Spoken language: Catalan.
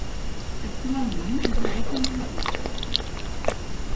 Actualment es dediquen a la pesca.